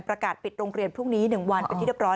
ประกาศปิดโรงเรียนพรุ่งนี้๑วันเป็นที่เรียบร้อย